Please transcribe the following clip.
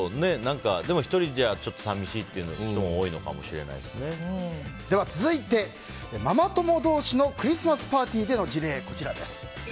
でも、１人じゃちょっと寂しいという人も続いて、ママ友同士のクリスマスパーティーでの事例。